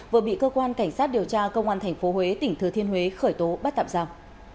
vừa bị cơ quan cảnh sát điều tra công an tp huế tỉnh thừa thiên huế khởi tố bắt tạm giam